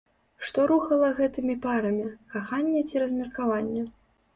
Што рухала гэтымі парамі, каханне ці размеркаванне?